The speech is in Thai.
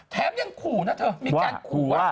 แถมยังขู่นะเธอมีการขู่ว่า